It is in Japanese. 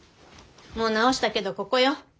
もう直したけどここよ。